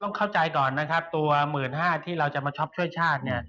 เข้าใจก่อนนะครับตัว๑๕๐๐บาทที่เราจะมาช็อปช่วยชาติเนี่ย